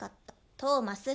トーマス。